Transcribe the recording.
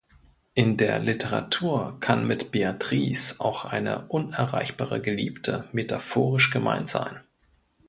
In der Literatur kann mit "Beatrice" auch eine unerreichbare Geliebte metaphorisch gemeint sein.